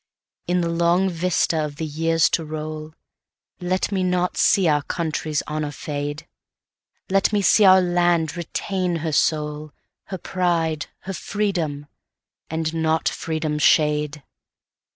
In the long vista of the years to roll, Let me not see our country's honour fade:O let me see our land retain her soul, Her pride, her freedom; and not freedom's shade.